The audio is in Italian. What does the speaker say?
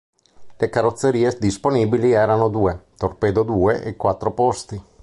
Le carrozzerie disponibili erano due, torpedo due e quattro posti.